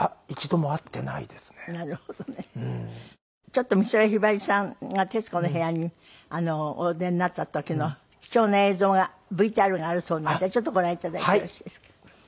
ちょっと美空ひばりさんが『徹子の部屋』にお出になった時の貴重な映像がＶＴＲがあるそうなのでちょっとご覧頂いてよろしいですか？